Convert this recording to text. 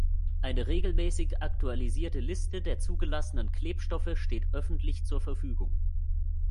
Eine regelmäßig aktualisierte Liste der zugelassenen Klebstoffe steht öffentlich zur Verfügung.